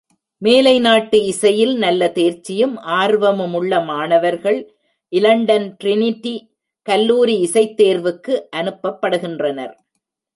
மேலை நாட்டு இசையில் நல்ல தேர்ச்சியும், ஆர்வமுமுள்ள மாணவர்கள் இலண்டன் டிரினிடி கல்லூரி இசைத்தேர்வுக்கு அனுப்பப்படுகின்றனர்.